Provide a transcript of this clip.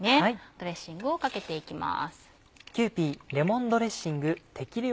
ドレッシングをかけていきます。